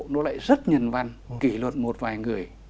nó lại rất nhân văn kỷ luật một vài người